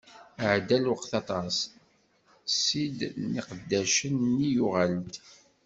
Iɛedda lweqt aṭas, ssid n iqeddacen-nni yuɣal-d.